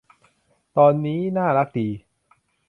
ตอนนี้ น่ารักดี